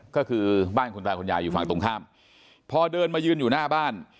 ก็คือบ้านคุณตาคุณยายอยู่ฝั่งตรงข้ามพอเดินมายืนอยู่หน้าบ้าน